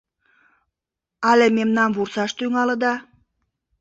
Але мемнам вурсаш тӱҥалыда?